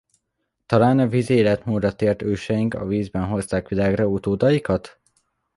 Talán a vízi életmódra tért őseink a vízben hozták világra utódaikat?